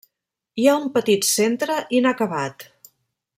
Hi ha un petit centre inacabat.